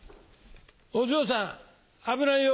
お嬢さん危ないよ。